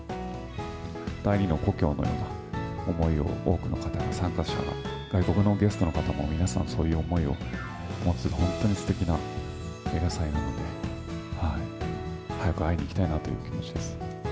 第２の故郷のような思いを多くの方や参加者が、外国のゲストの方も皆さんそういう思いを持つ、本当にすてきな映画祭なので、早く会いに行きたいなという気持